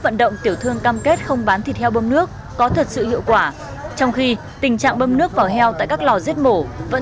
vẫn đang chồng đợi hoàn toàn vào chính quyền cấp huyện cấp xã